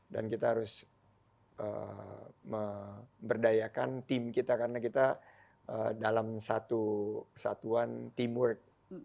dan kita harus memberdayakan tim kita karena kita dalam satu kesatuan teamwork